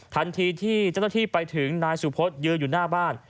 ทันทีที่เจ้าหน้าที่ไปถึงนายสุพธยืนอยู่หน้าบ้าน